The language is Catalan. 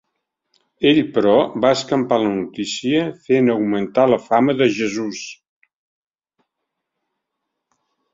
Ell, però, va escampar la notícia fent augmentar la fama de Jesús.